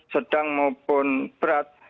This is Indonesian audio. sedang maupun berat